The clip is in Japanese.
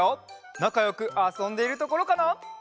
なかよくあそんでいるところかな？